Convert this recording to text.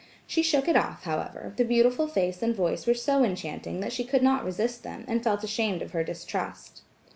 She shook it off, however, the beautiful face and voice were so enchanting that she could not resist them, and felt ashamed of her distrust.